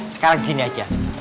sekarang gini aja